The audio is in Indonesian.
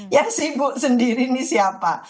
yang sibuk sendiri ini siapa